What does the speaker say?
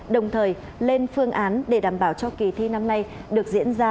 đồng thời lên phương án để đảm bảo cho kỳ thi năm nay được diễn ra